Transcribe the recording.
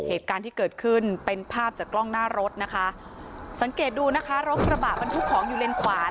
เหตุการณ์ที่เกิดขึ้นเป็นภาพจากกล้องหน้ารถนะคะสังเกตดูนะคะรถกระบะบรรทุกของอยู่เลนขวา